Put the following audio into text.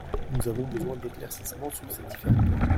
Nous avons besoin d’éclaircissements sur ces différents points.